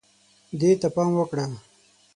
دې ته پام وکړه